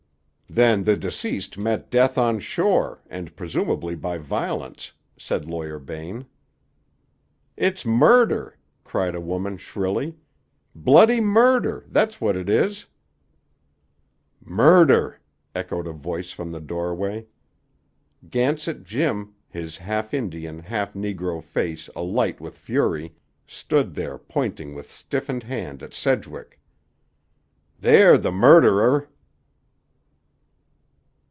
"Then the deceased met death on shore, and presumably by violence," said Lawyer Bain. "It's murder!" cried a woman shrilly. "Bloody murder! That's what it is!" "Murder!" echoed a voice from the doorway. Gansett Jim, his half Indian, half negro face alight with fury, stood there pointing with stiffened hand at Sedgwick. "Dah de murderer!"